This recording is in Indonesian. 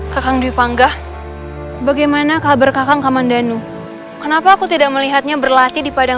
kakang dwi pangga bagaimana kabar kakang kamandanu kenapa aku tidak melihatnya berlatih di padang